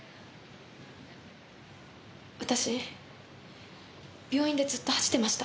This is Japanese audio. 私病院でずっと恥じてました。